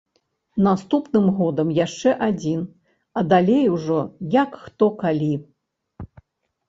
Наступным годам яшчэ адзін, а далей ужо як хто калі.